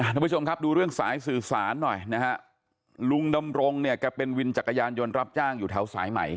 ทุกผู้ชมครับดูเรื่องสายสื่อสารหน่อยนะฮะลุงดำรงเนี่ยแกเป็นวินจักรยานยนต์รับจ้างอยู่แถวสายใหม่